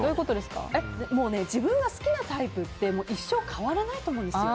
自分が好きなタイプって一生変わらないと思うんですよ。